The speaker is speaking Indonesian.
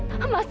mas jangan mas